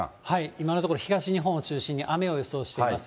今のところ東日本を中心に、雨を予想しています。